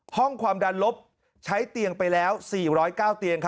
ความดันลบใช้เตียงไปแล้ว๔๐๙เตียง